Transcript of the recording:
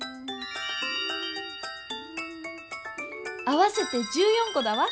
合わせて１４コだわ！